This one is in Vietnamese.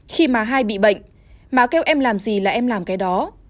khi má hai bị bệnh má kêu em làm gì là em làm cái đó